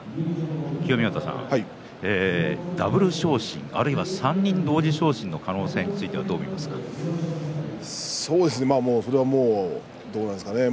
清見潟さん、ダブル昇進あるいは３人同時昇進の可能性についてはそれはもうどうなんですかね。